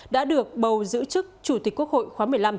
đã được bầu giữ chức chủ tịch quốc hội khóa một mươi năm